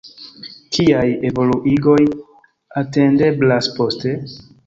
Kiaj evoluigoj atendeblas poste?